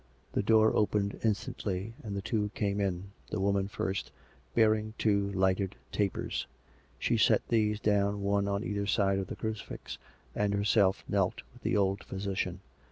The door opened instantly, and the two came in, the woman 312 COME RACK! COME ROPE! first, bearing two lighted tapers. She set these down one on either side of the crucifix, and herself knelt with the old physician.